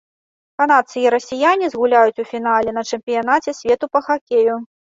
Канадцы і расіяне згуляюць у фінале на чэмпіянаце свету па хакею.